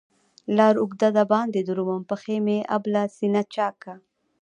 لار اوږده ده باندې درومم، پښي مې ابله سینه چاکه